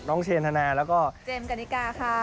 เชนธนาแล้วก็เจมส์กันนิกาค่ะ